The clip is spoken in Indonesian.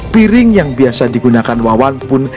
piring yang biasa digunakan wawan pun